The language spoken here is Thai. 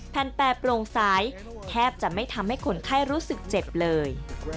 แผ่นแปรบโรงสายแทบจะไม่ทำให้คนไข้รู้สึกเจ็บเลย